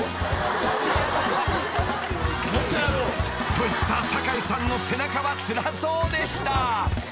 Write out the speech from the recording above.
［と言った堺さんの背中はつらそうでした］